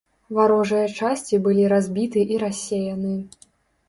Варожыя часці былі разбіты і рассеяны.